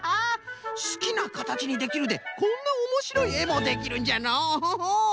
「すきなかたちにできる」でこんなおもしろいえもできるんじゃのう。